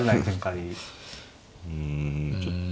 うんちょっと。